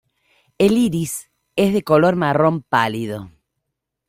El iris es de color marrón pálido.